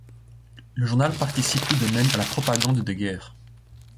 Le journal participe tout de même à la propagande de guerre.